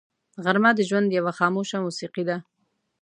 غرمه د ژوند یوه خاموش موسیقي ده